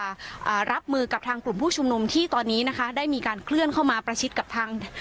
อ่ารับมือกับทางกลุ่มผู้ชุมนุมที่ตอนนี้นะคะได้มีการเคลื่อนเข้ามาประชิดกับทาง